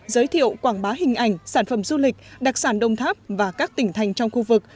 giới thiệu quảng bá hình ảnh sản phẩm du lịch đặc sản đông tháp và các tỉnh thành trong khu vực